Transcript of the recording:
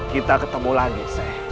kita ketemu lagi